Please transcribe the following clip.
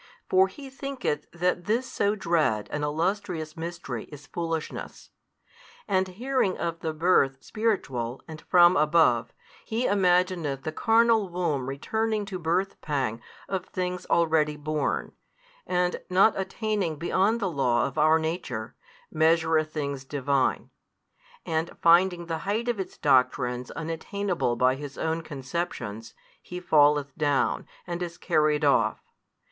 For he thinketh that this so dread and illustrious Mystery is foolishness. And hearing of the birth spiritual and from above, he imagineth the carnal womb returning to birth pang of things already born, and, not attaining beyond the law of |168 our nature, measureth things Divine; and finding the height of its doctrines unattainable by his own conceptions, he falleth down, and is carried off.